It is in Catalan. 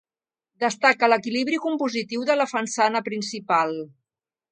Destaca l'equilibri compositiu de la façana principal.